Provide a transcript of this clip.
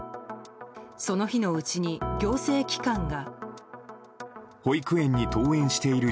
その日のうちに行政機関が。